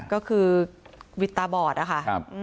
ก็คือวิตบอร์ดค่ะ